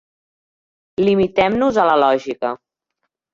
Limitem-nos a la lògica.